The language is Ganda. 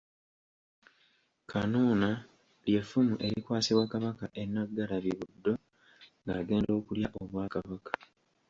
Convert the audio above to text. Kanuuna ly’Effumu erikwasibwa Kabaka e Nnaggalabi Buddo ng’agenda okulya Obwakabaka.